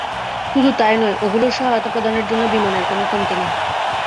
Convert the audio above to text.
শুধু তাই নয়, ওগুলোর সহায়তা প্রদানের জন্য বিমানের কোনো কমতি নেই।